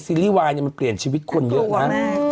รีส์วายมันเปลี่ยนชีวิตคนเยอะนะ